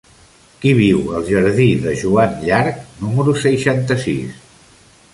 Qui viu al jardí de Joan Llarch número seixanta-sis?